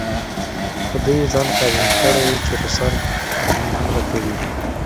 په دې یې ځان قانع کړی وو چې روسان پر هند حمله کوي.